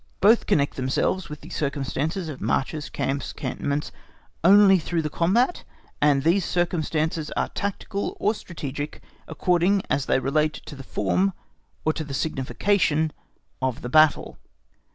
Both connect themselves with the circumstances of marches, camps, cantonments only through the combat, and these circumstances are tactical or strategic according as they relate to the form or to the signification of the battle.